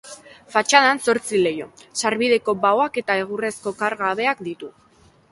Fatxadan zortzi leiho, sarbideko baoak eta egurrezko karga-habeak ditu.